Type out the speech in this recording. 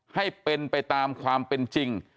ให้เป็นไปตามความเป็นจริง